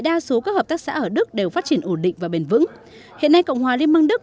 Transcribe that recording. đa số các hợp tác xã ở đức đều phát triển ổn định và bền vững hiện nay cộng hòa liên bang đức